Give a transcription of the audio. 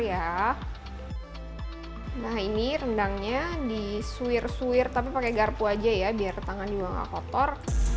ya nah ini rendangnya di suwir suwir tapi pakai garpu aja ya biar tangan juga gak kotor